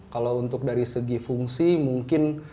kalau untuk dari segi fungsi mungkin